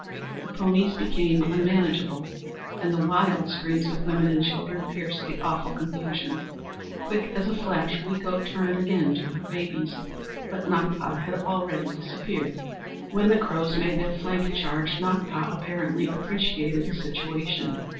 The ponies became unmanageable, and the wild screams of women and children pierced the awful confusion. Quick as a flash, Weeko turned again to her babies, but Nakpa had already disappeared! When the Crows made their flank charge, Nakpa apparently appreciated the situation.